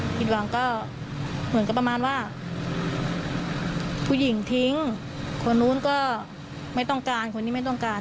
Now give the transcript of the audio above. ผิดหวังก็เหมือนกับประมาณว่าผู้หญิงทิ้งคนนู้นก็ไม่ต้องการคนนี้ไม่ต้องการ